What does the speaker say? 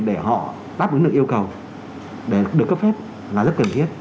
để họ đáp ứng được yêu cầu để được cấp phép là rất cần thiết